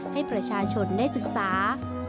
ให้ประชาชนได้ศึกษา